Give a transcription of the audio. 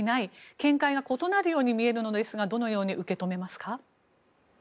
見解が異なるように見えるのですがどのように受け止めますか？